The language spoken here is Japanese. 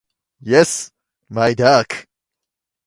イエスマイダーク